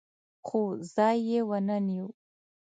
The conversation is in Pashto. خو ځای یې ونه نیو